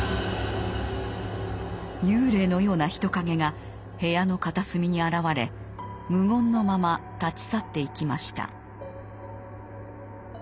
幽霊のような人影が部屋の片隅に現れ無言のまま立ち去っていきました。